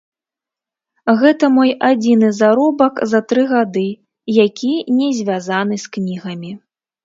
Гэта мой адзіны заробак за тры гады, які не звязаны з кнігамі.